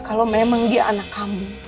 kalau memang dia anak kamu